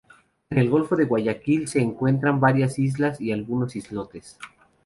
En el "Golfo de Guayaquil" se encuentran varias islas y algunos islotes.